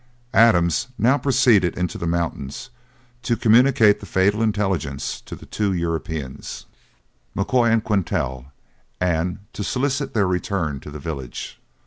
Adams now proceeded into the mountains to communicate the fatal intelligence to the two Europeans, M'Koy and Quintal, and to solicit their return to the village.